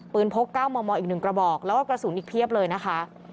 พก๙มมอีก๑กระบอกแล้วก็กระสุนอีกเพียบเลยนะคะ